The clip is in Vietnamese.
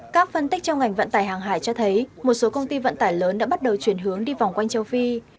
các phân tích trong ngành vận tải hàng hải cho thấy một số công ty vận tải lớn đã bắt đầu chuyển hướng đi vòng quanh châu phi